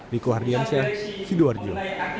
diko hardiansyah sidoarjo